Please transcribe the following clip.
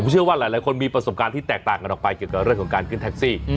เชื่อว่าหลายคนมีประสบการณ์ที่แตกต่างกันออกไปเกี่ยวกับเรื่องของการขึ้นแท็กซี่